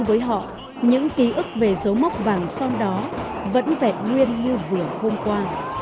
với họ những ký ức về dấu mốc vàng son đó vẫn vẹn nguyên như vừa hôm qua